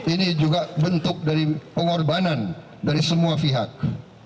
ini juga bentuk dari pengorbanan dari semua pihak